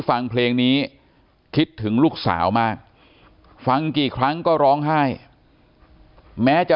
ฟังเพลงนี้คิดถึงลูกสาวมากฟังกี่ครั้งก็ร้องไห้แม้จะ